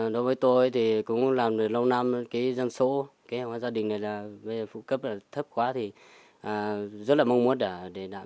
đối với tôi thì cũng làm được lâu năm cái dân số cái hóa gia đình này là phụ cấp thấp quá thì rất là mong muốn để đạt